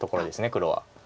黒は。